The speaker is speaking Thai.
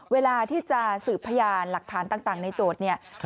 เวลาที่จะสืบพยานหลักฐานต่างในโจทย์เนี่ย